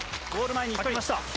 ゴール前にいました。